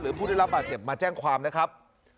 ผู้ได้รับบาดเจ็บมาแจ้งความนะครับ